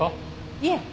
いえ。